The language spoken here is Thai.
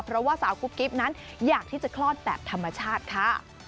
เพราะว่าสาวกุ๊กกิ๊บนั้นอยากที่จะคลอดแบบธรรมชาติค่ะ